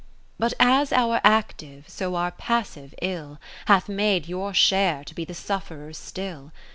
But as our active, so our passive, ill Hath made your share to be the sufferer's still.